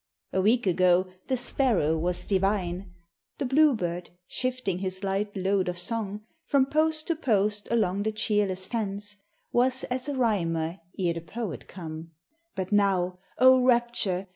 A week ago the sparrow was divine ; The bluebird, shifting his light load of song From post to post along the cheerless fence, Was as a rhymer ere the poet come ; But now, rapture